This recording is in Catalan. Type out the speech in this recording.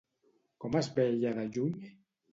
Com es veia de lluny?